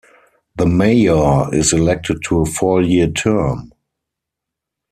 The mayor is elected to a four-year term.